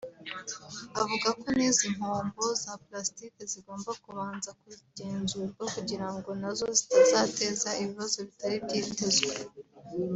Avuga ko n’izi mpombo za ‘plastic’ zigomba kubanza kugenzurwa kugira ngo na zo zitazateza ibibazo bitari byitezwe